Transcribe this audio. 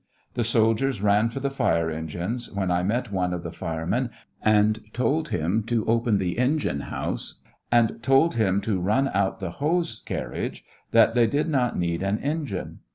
The soldiers ran for the fire engines, when I met one of the firemen, and told him to open the engine house, and told him to run out the hose carriage, that they did not need an engine.